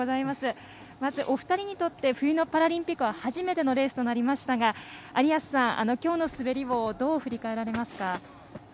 まずお二人にとって冬のパラリンピックは初めてのレースとなりましたが有安さん、きょうの滑りをどう振り返られますか。